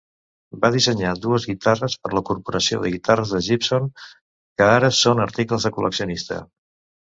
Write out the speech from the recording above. Va dissenyar dues guitarres per la corporació de guitarres de Gibson, que ara són articles de col·leccionista.